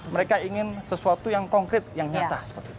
mereka ingin sesuatu yang konkret yang nyata